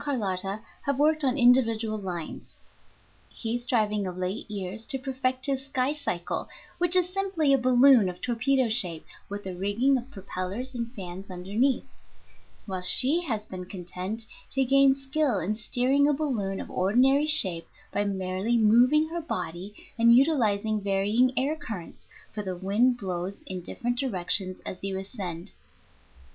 Carlotta have worked on individual lines, he striving of late years to perfect his skycycle (which is simply a balloon of torpedo shape with a rigging of propellers and fans underneath), while she has been content to gain skill in steering a balloon of ordinary shape by merely moving her body and utilizing varying air currents, for the wind blows in different directions as you ascend.